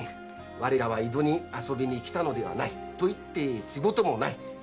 我らは江戸に遊びに来たのではない。と言って仕事もない。